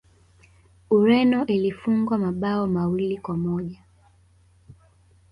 ureno ilifungwa mabao mawili kwa moja